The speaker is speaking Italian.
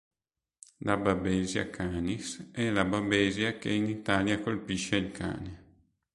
La "Babesia canis" è la babesia che in Italia colpisce il cane.